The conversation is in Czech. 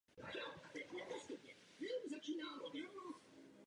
Musím však zřetelně a jednoznačně varovat.